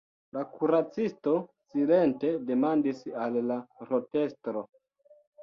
La kuracisto silente demandis al la rotestro.